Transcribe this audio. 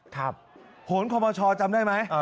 โหนความสดชอบจำได้ไหม